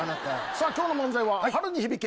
さぁ今日の漫才は春に響け！